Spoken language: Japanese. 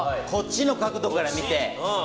こっちの角度から見て。